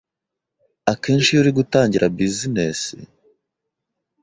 Akenshi iyo uri gutangira business,